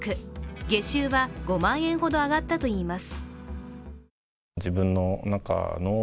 月収は５万円ほど上がったといいます。